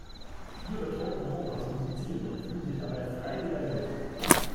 Vier betrunkene Opas musizieren und fühlen sich dabei frei wie der Wind.